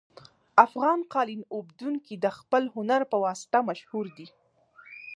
افغان قالین اوبدونکي د خپل هنر په واسطه مشهور دي